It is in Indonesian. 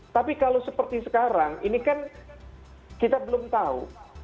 tapi kalau seperti sekarang ini kan kita belum tahu